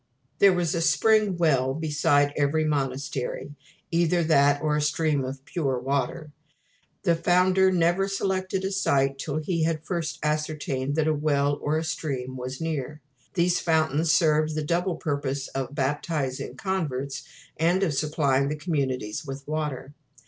There was a spring well beside every monastery, either that, or a stream of pure water. The founder never selected a site till he had first ascertained that a well or a stream was near. These fountains served the double purpose of baptising converts and of supplying the communities with water.